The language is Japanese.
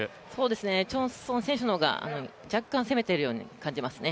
チョン・スソン選手の方が若干攻めているようにみえますね。